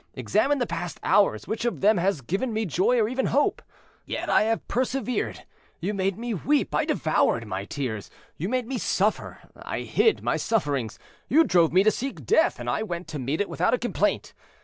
Examine the past hours; which of them has given me joy, or even hope? yet I have persevered. You made me weep; I devoured my tears. You made me suffer; I hid my sufferings. You drove me to seek death, and I went to meet it without a complaint.